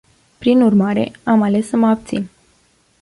Prin urmare, am ales să mă abțin.